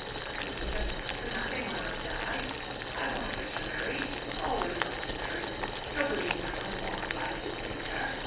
I can leave her next to nothing when I die. I want her to marry. All women ought to marry. Nobody in my own walk of life would suit her.